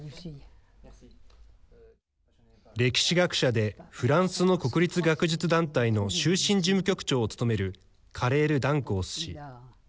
歴史学者でフランスの国立学術団体の終身事務局長を務めるカレールダンコース氏。